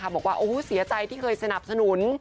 บอกว่าเสียใจที่เคยสนับสนุน